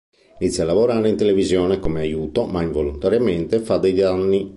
Inizia a lavorare in televisione come aiuto, ma involontariamente fa dei danni.